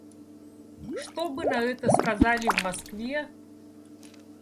Что бы на это сказали в Москве?